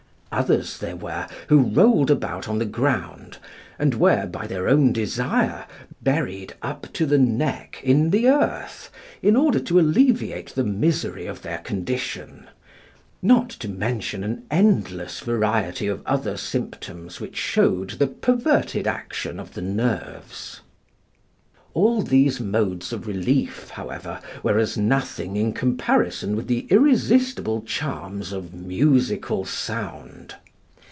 Others there were who rolled about on the ground, and were, by their own desire, buried up to the neck in the earth, in order to alleviate the misery of their condition; not to mention an endless variety of other symptoms which showed the perverted action of the nerves. All these modes of relief, however, were as nothing in comparison with the irresistible charms of musical sound.